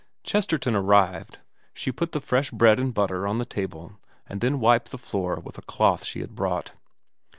Chesterton arrived. She put the fresh bread and butter on the table, and then wiped the floor with a cloth she had brought.